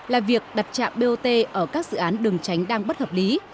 là việc đặt trạm bot ở các dự án đường tránh đang bất hợp lý